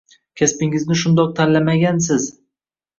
Kasbingizni shundoq tanlamagansiz –